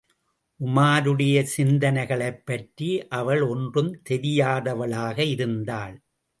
உமாருடைய சிந்தனைகளைப்பற்றி அவள் ஒன்றுந் தெரியாதவளாக இருந்தாள்.